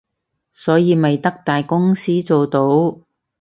所以咪得大公司做到